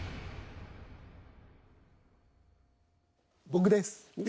僕です。